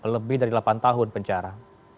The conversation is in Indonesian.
lebih dari delapan tahun penjara